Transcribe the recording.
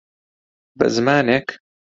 به زمانێک،